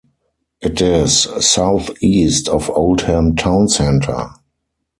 It is south-east of Oldham town centre.